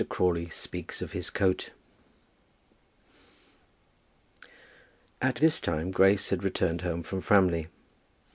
CRAWLEY SPEAKS OF HIS COAT. At this time Grace had returned home from Framley.